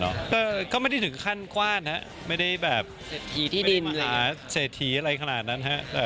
ก็ไม่ได้ถึงขั้นกว้านฮะไม่ได้แบบเศรษฐีที่ดินหรือเศรษฐีอะไรขนาดนั้นฮะ